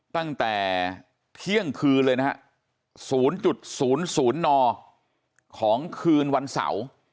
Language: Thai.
ตั้งแต่เที่ยงคืนเลยนะฮะศูนย์จุดศูนย์ศูนย์นอของคืนวันเสาร์